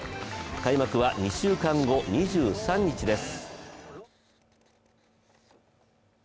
開幕は２週間後、２３日です。